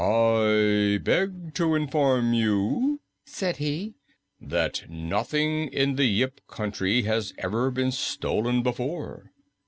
"I beg to inform you," said he, "that nothing in the Yip Country has ever been stolen before."